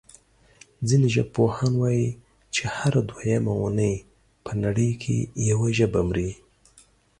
ځینې ژبپوهان وايي چې هره دویمه اوونۍ په نړۍ کې یوه ژبه مري.